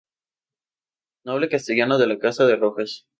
Noble castellano de la Casa de Rojas.